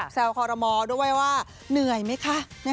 แซวคอรมอลด้วยว่าเหนื่อยไหมคะ